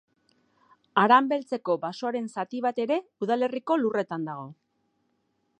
Haranbeltzeko basoaren zati bat ere udalerriko lurretan dago.